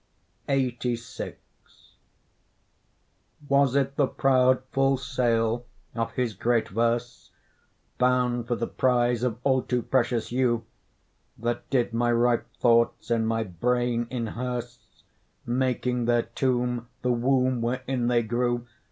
LXXXVI Was it the proud full sail of his great verse, Bound for the prize of all too precious you, That did my ripe thoughts in my brain inhearse, Making their tomb the womb wherein they grew?